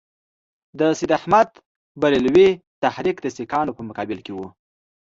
د سید احمدبرېلوي تحریک د سیکهانو په مقابل کې وو.